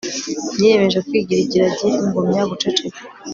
niyemeje kwigira ikiragi, ngumya guceceka